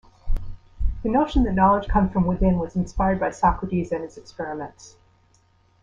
The notion that knowledge comes from within was inspired by Socrates and his experiments.